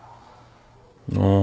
ああ。